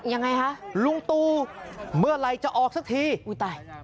ยังไงฮะลุงตูเมื่อไหร่จะออกสักที